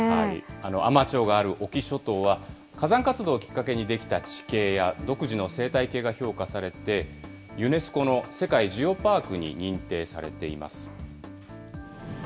海士町がある隠岐諸島は、火山活動をきっかけに出来た地形や、独自の生態系が評価されて、ユネスコの世界ジオパークに認定されています。